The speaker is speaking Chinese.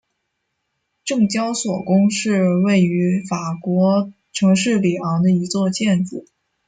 证交所宫是位于法国城市里昂的一座建筑。